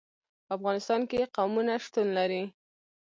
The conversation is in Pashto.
په افغانستان کې قومونه شتون لري.